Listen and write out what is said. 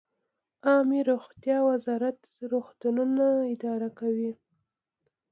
عامې روغتیا وزارت روغتونونه اداره کوي